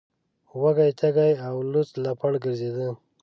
وږی تږی او لوڅ لپړ ګرځیده.